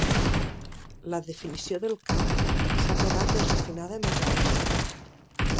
La definició del camp s'ha tornat més refinada amb els anys.